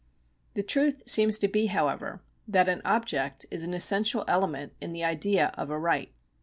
The truth seems to be, however, that an object is an essential element in the idea of a right.